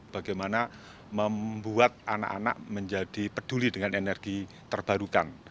bagaimana membuat anak anak menjadi peduli dengan energi terbarukan